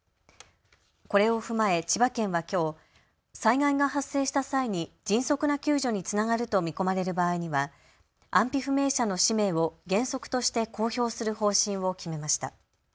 これを踏まえ千葉県はきょう、災害が発生した際に迅速な救助につながると見込まれる場合には安否不明者の氏名を原則として公表する方針を決めました。